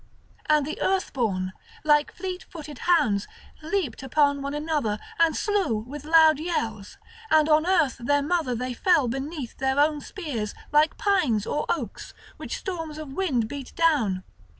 And the Earthborn, like fleet footed hounds, leaped upon one another and slew with loud yells; and on earth their mother they fell beneath their own spears, likes pines or oaks, which storms of wind beat down.